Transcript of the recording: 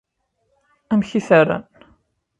Amek i t-rran?